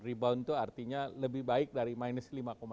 rebound itu artinya lebih baik dari minus lima satu